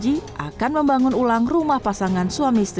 jika anda ingin mencari penuntut pemerintah silakan melihat di www islamist com ar